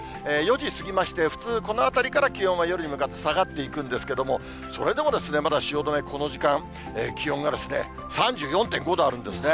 ４時過ぎまして、普通、このあたりから気温は夜に向かって下がっていくんですけども、それでもまだ汐留、この時間、気温が３４．５度あるんですね。